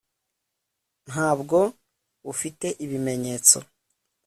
ntabwo ufite ibimenyetso